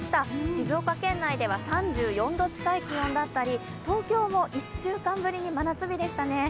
静岡県内では３４度近い気温だったり東京も１週間ぶりに真夏日でしたね。